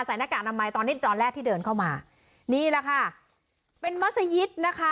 หน้ากากอนามัยตอนนี้ตอนแรกที่เดินเข้ามานี่แหละค่ะเป็นมัศยิตนะคะ